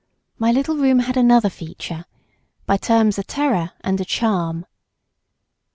—my little room had another feature, by turns a terror and a charm.